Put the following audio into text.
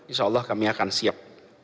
insyaallah kami akan siap